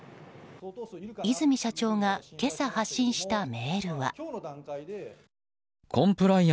和泉社長が今朝、発信したメールは。